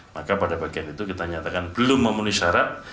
maka pada bagian itu kita nyatakan belum memenuhi syarat